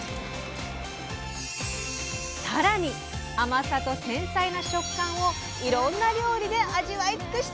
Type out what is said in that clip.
さらに甘さと繊細な食感をいろんな料理で味わいつくしたい！